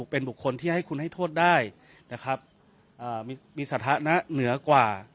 เป็นบุคคลที่ให้คุณให้โทษได้นะครับมีสถานะเหนือกว่า